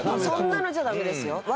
そんなのじゃダメですよ。